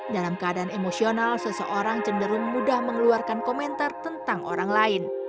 dalam keadaan emosional seseorang cenderung mudah mengeluarkan komentar tentang orang lain